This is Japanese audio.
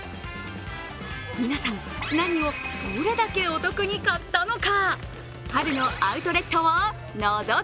皆さん、何を、どれだけお得に買ったのか？